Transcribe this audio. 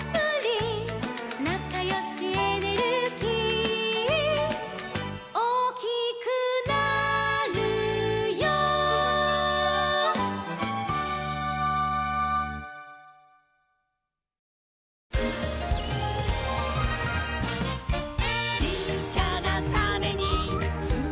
「なかよしエネルギー」「おおきくなるよ」「ちっちゃなタネにつまってるんだ」